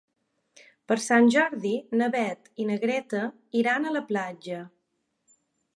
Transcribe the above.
Per Sant Jordi na Beth i na Greta iran a la platja.